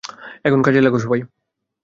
এখন কাজে লাগো সবাই।